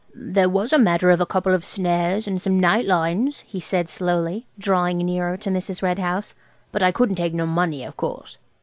"There was a matter of a couple of snares and some night lines," he said slowly, drawing nearer to Mrs. Red House; "but I couldn't take no money, of course."